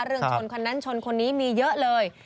ชนคนนั้นชนคนนี้มีเยอะเลย